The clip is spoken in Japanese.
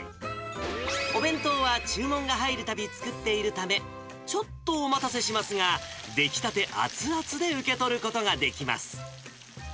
お弁当は注文が入るたび作っているため、ちょっとお待たせしますが、出来たて熱々で受け取ることができます。